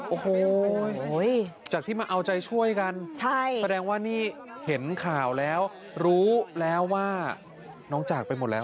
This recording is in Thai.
โอ้โหจากที่มาเอาใจช่วยกันแสดงว่านี่เห็นข่าวแล้วรู้แล้วว่าน้องจากไปหมดแล้ว